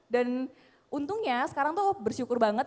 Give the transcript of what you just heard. dan untungnya sekarang tuh bersyukur banget